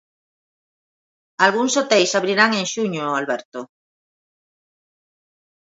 Algúns hoteis abrirán en xuño, Alberto...